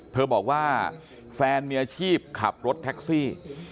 เธอบอกว่าแฟนมีอาชีพขับรถแท็กซี่